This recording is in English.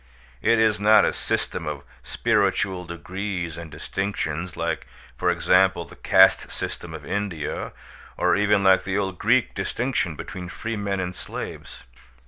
It is not a system of spiritual degrees and distinctions like, for example, the caste system of India, or even like the old Greek distinction between free men and slaves.